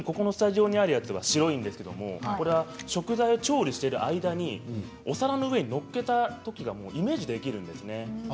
きょうは白いんですけれど食材を調理している間にお皿の上に載っけたときをイメージできるんですね。